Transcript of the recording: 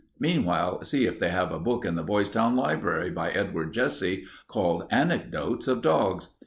Meanwhile, see if they have a book in the Boytown Library by Edward Jesse, called 'Anecdotes of Dogs.'